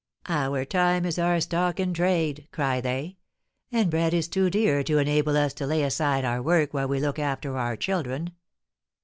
'Our time is our stock in trade,' cry they, 'and bread is too dear to enable us to lay aside our work while we look after our children.'